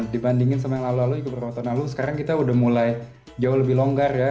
dan dibandingkan dengan yang lalu lalu juga beberapa tahun lalu sekarang kita sudah mulai jauh lebih longgar ya